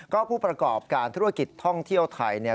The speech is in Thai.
ก็ผู้ประกอบการธุรกิจท่องเที่ยวไทยเนี่ย